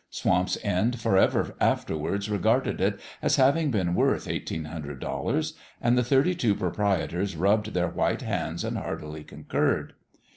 Swamp's End forever afterwards regarded it as having been worth eighteen hundred dollars ; and the thirty two proprietors rubbed their white hands and heartily concurred.